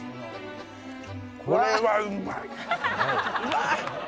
これはうまい！